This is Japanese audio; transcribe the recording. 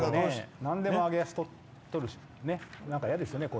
なんでも揚げ足取るのは嫌ですよね。